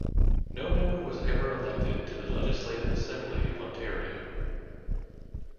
No member was ever elected to the Legislative Assembly of Ontario.